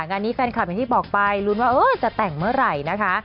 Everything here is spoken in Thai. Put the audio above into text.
งานนี้แฟนคลับอย่างที่บอกไปลุ้นว่าจะแต่งเมื่อไหร่นะคะ